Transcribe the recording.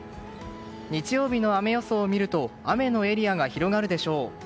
日曜日の雨予想を見ると雨のエリアが広がるでしょう。